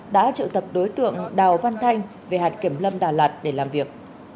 đã triệu tập đối tượng đào văn thanh về hạt kiểm lâm đà lạt để làm việc